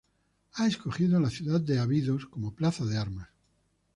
Ha escogido la ciudad de Abidos como plaza de armas.